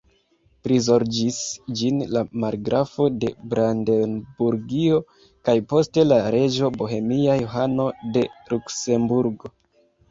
Prizorĝis ĝin la margrafo de Brandenburgio kaj poste la reĝo bohemia Johano de Luksemburgo.